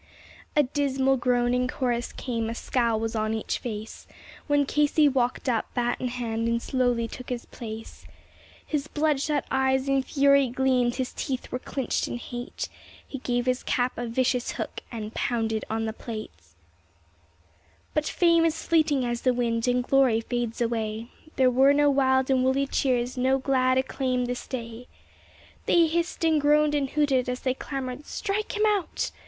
A dismal groan in chorus came a scowl was on each face When Casey walked up, bat in hand, and slowly took his place; His bloodshot eyes in fury gleamed; his teeth were clinched in hate; He gave his cap a vicious hook and pounded on the plate. But fame is fleeting as the wind, and glory fades away; There were no wild and woolly cheers, no glad acclaim this day. They hissed and groaned and hooted as they clamored, "Strike him out!"